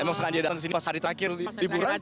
emang sekarang dia datang ke sini pas hari terakhir liburan